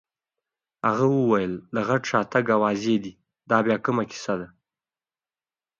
هغه وویل: د غټ شاتګ اوازې دي، دا بیا کومه کیسه ده؟